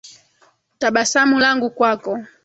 Tabasamu langu kwako.